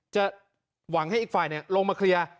หวังให้อีกฝ่ายลงมาเคลียร์